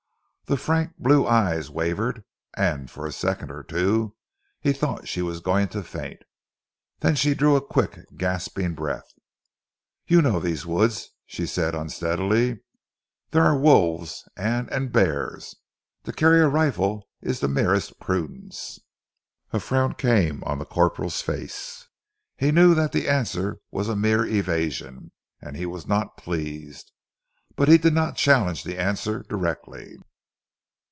The frank blue eyes wavered, and for a second or two he thought she was going to faint. Then she drew a quick, gasping breath. "You know these woods," she said unsteadily. "There are wolves and and bears. To carry a rifle is the merest prudence." A frown came on the corporal's face. He knew that the answer was a mere evasion, and he was not pleased. But he did not challenge the answer directly.